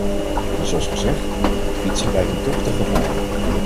Maar zoals gezegd: fietsen lijkt me toch te gevaarlijk.